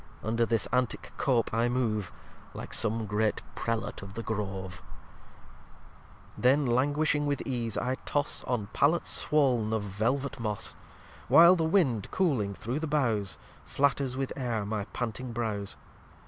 Under this antick Cope I move Like some great Prelate of the Grove, lxxv Then, languishing with ease, I toss On Pallets swoln of Velvet Moss; While the Wind, cooling through the Boughs, Flatters with Air my panting Brows.